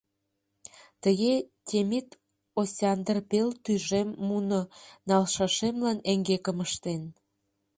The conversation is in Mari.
Тыге Темит Осяндр пел тӱжем муно налшашемлан эҥгекым ыштен.